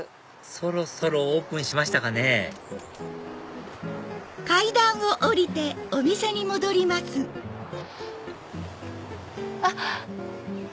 そろそろオープンしましたかねあっ！